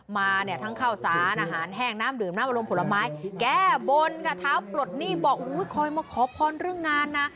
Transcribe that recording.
มาเนี่ยทั้งข้าวสารอาหารแห้งน้ำดื่มน้ำอารมณ์ผลไม้แก้บนค่ะเท้าปลดหนี้บอกอุ้ยคอยมาขอพรเรื่องงานนะ